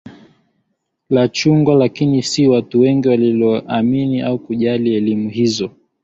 la chungwa Lakini si watu wengi walioamini au kujali elimu hizo